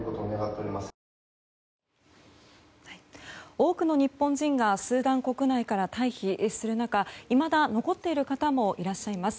多くの日本人がスーダン国内から退避する中いまだ残っている方もいらっしゃいます。